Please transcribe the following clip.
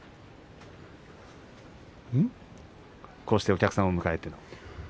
こうしてお客様を迎えての。